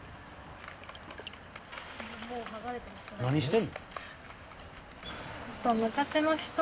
何してんの？